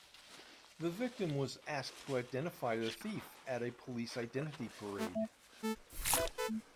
The victim was asked to identify the thief at a police identity parade